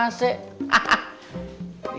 maria libun di sini